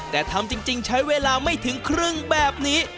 แต่ทำจริงใช้เวลาไม่ถึงครึ่งแบบนี้